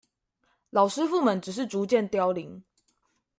老師傅們只是逐漸凋零